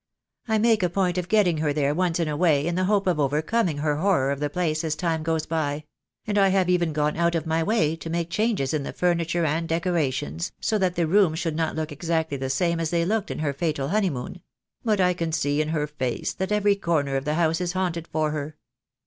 I make a point of getting her there once in a way in the THE DAY WILL COME. IOI hope of overcoming her horror of the place as time goes by; and I have even gone out of my way to make changes in the furniture and decorations, so that the rooms should not look exactly the same as they looked in her fatal honeymoon; but I can see in her face that every corner of the house is haunted for her.